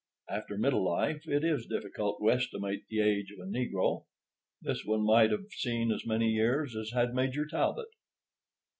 After middle life, it is difficult to estimate the age of a negro. This one might have seen as many years as had Major Talbot.